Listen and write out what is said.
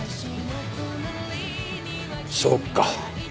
そうか。